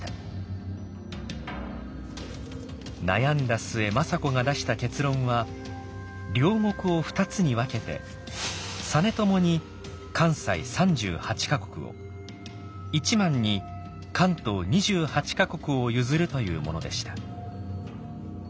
悩んだ末政子が出した結論は領国を２つに分けて実朝に関西３８か国を一幡に関東２８か国を譲るというものでした。